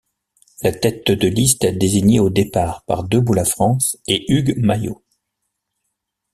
La tête de liste désignée au départ par Debout la France est Hugues Maillot.